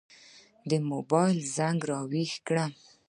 د موبایل زنګ را وېښ کړم.